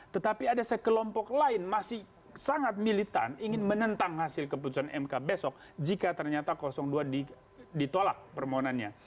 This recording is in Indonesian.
tetapi ada sekelompok lain masih sangat militan ingin menentang hasil keputusan mk besok jika ternyata dua ditolak permohonannya